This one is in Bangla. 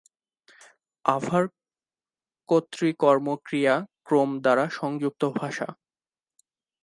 আভার কর্তৃ-কর্ম-ক্রিয়া ক্রম দ্বারা সংযুক্ত ভাষা।